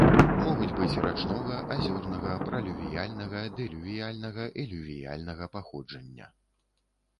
Могуць быць рачнога, азёрнага, пралювіяльнага, дэлювіяльнага, элювіяльнага паходжання.